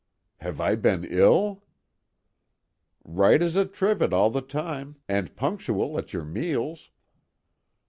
"Have I been ill?" "Right as a trivet all the time, and punctual at your meals."